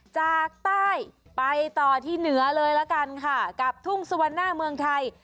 จากใต้ไปต่อที่เหนือเลยละกันค่ะกับทุ่งสวรรณหน้าเมืองไทย